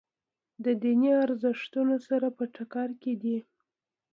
د دیني ارزښتونو سره په ټکر کې دي.